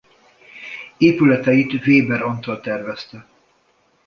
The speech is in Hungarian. Épületeit Weber Antal tervezte.